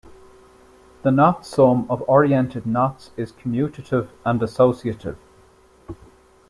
The knot sum of oriented knots is commutative and associative.